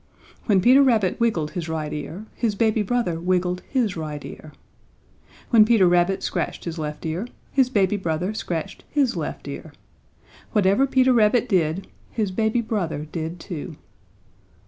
When Peter Rabbit wiggled his right ear, his baby brother wiggled his right ear. When Peter Rabbit scratched his left ear, his baby brother scratched his left ear. Whatever Peter Rabbit did, his baby brother did too.